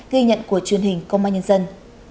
ghi nhận của truyền hình công an nhân dân